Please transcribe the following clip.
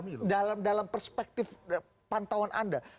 dalam perspektif pantauan anda